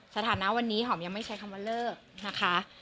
สถานะวันนี้หอมยังไม่ใช้คำว่าเลิกนะคะ